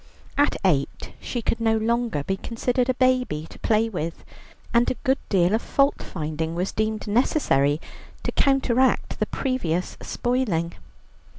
At eight she could no longer be considered a baby to play with, and a good deal of fault finding was deemed necessary to counteract the previous spoiling.